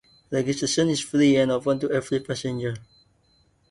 Registration is free and open to every passengers.